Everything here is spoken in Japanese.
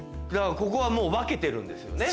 ここはもう分けてるんですよね。